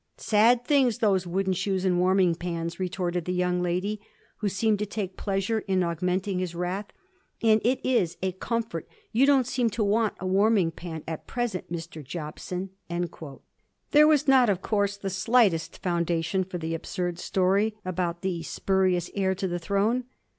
' Sad things those wooden shoes and warming pans,' retorted the young lady, who seemed to take pleasure in augmenting his wrath; * and it is a comfort you don't seem to want a warm iBg pan at present, Mr. Jobson.' There was not, of course, the slightest foundation for the absurd story about the spurious heir to the throne.